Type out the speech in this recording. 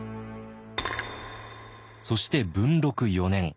そして文禄４年。